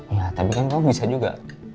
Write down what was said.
ya tapi kan kamu bisa juga